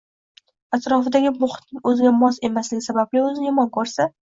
atrofidagi muhitning o’ziga mos emasligi sababli o’zini yomon ko’rsa